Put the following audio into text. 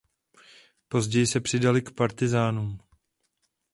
Později se přidali k partyzánům.